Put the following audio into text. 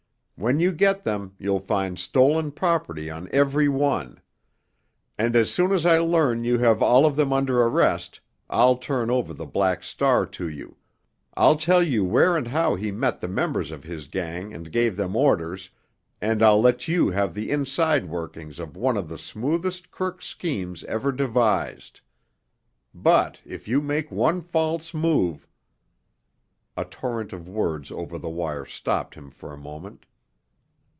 When you get them you'll find stolen property on every one. And as soon as I learn you have all of them under arrest I'll turn over the Black Star to you, I'll tell you where and how he met the members of his gang and gave them orders, and I'll let you have the inside workings of one of the smoothest crooks' schemes ever devised. But if you make one false move——" A torrent of words over the wire stopped him for a moment.